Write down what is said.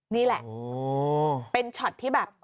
นี่แหละเป็นช็อตที่แบบ